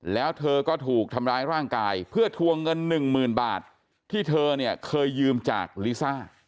แล้วเธอก็ถูกทำร้ายร่างกายเพื่อทวงเงินหนึ่งหมื่นบาทที่เธอเนี่ยเคยยืมจากลิซ่า